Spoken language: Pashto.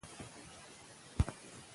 د وخت مدیریت زده کړئ.